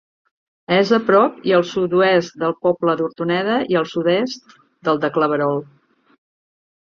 És a prop i al sud-oest del poble d'Hortoneda i al sud-est del de Claverol.